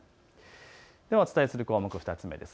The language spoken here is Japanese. お伝えする項目、２つ目です。